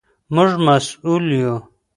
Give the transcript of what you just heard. موږ مسؤل یو.